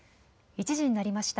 １時になりました。